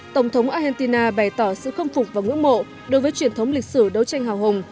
tổng thống argentina bày tỏ sự khâm phục và ngưỡng mộ đối với truyền thống lịch sử đấu tranh hào hùng